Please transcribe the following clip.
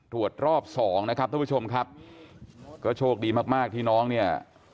รอบสองนะครับท่านผู้ชมครับก็โชคดีมากมากที่น้องเนี่ย